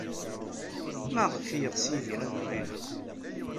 Maɣef ay yeɣs Yidir ad aɣ-ineɣ?